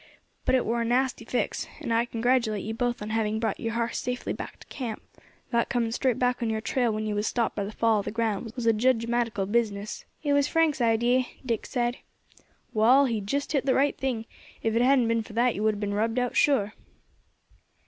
But it war a nasty fix, and I congratulate you both on having brought your har safely back to camp; that coming straight back on your trail when you was stopped by the fall of the ground was a judgmatical business." "It was Frank's idee," Dick said. "Wall, he just hit the right thing; if it hadn't been for that you would have been rubbed out sure."